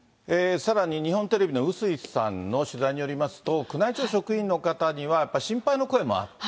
さらに日本テレビの笛吹さんの取材によりますと、宮内庁職員の方の中には、やっぱり心配の声もあって。